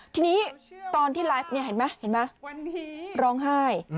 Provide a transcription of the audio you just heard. ทีนี้ตอนที่ไลฟ์เห็นไหมร้องไห้